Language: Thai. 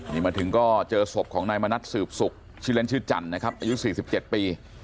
นี่มาถึงก็เจอศพของนายมณัฐสืบสุขชื่อเล่นชื่อจันทร์นะครับอายุ๔๗ปี